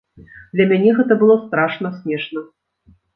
Для мяне гэта было страшна смешна!